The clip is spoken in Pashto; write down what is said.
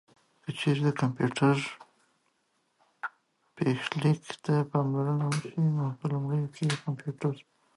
که چېرې د کمپيوټر پيښليک ته پاملرنه وشي نو په لومړيو کې کمپيوټر